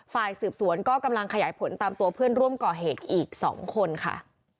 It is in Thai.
ฝ่ายสืบสวนก็กำลังขยายผลตามตัวเพื่อนร่วมก่อเหตุอีก๒คนค่ะ